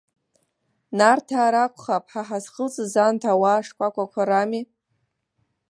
Нарҭаа ракәхап, ҳа ҳазхылҵыз анҭ ауаа шкәакәақәа рами.